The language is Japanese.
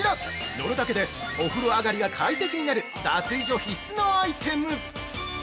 乗るだけでお風呂上がりが快適になる脱衣所必須のアイテム。